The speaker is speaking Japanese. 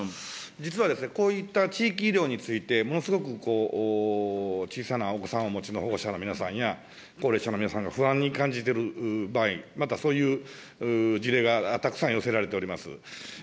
実はこういった地域医療についてものすごく小さなお子さんをお持ちの保護者の皆さんや、高齢者の皆さんが不安に感じている場合、またそういう事例がたくさん寄せられております。